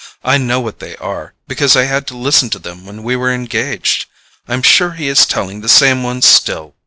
I know what they are, because I had to listen to them when we were engaged—I'm sure he is telling the same ones still.